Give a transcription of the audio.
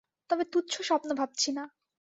তবে তুচ্ছ স্বপ্ন ভাবছি না।